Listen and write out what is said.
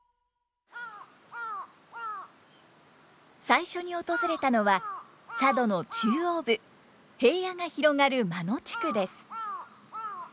最初に訪れたのは佐渡の中央部平野が広がる真野地区です。